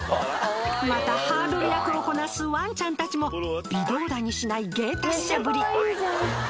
またハードル役をこなすワンちゃんたちも微動だにしない芸達者ぶり！